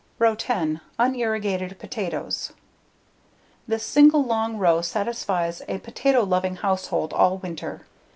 Row 10: Unirrigated Potatoes This single long row satisfies a potato loving household all winter.